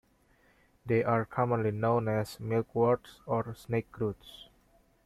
They are commonly known as milkworts or snakeroots.